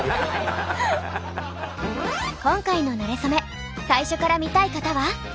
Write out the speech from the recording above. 今回の「なれそめ」最初から見たい方は？